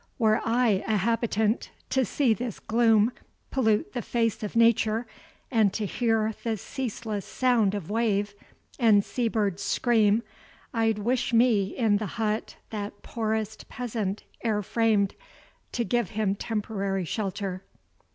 Were I a habitant, to see this gloom Pollute the face of nature, and to hear The ceaseless sound of wave, and seabird's scream, I'd wish me in the hut that poorest peasant E'er framed, to give him temporary shelter.